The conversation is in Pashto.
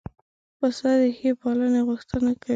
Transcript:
پسه د ښې پالنې غوښتنه کوي.